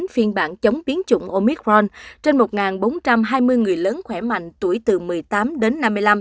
phiên bản chống biến chủng omicron trên một bốn trăm hai mươi người lớn khỏe mạnh tuổi từ một mươi tám đến năm mươi năm